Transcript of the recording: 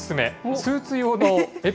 スーツ用？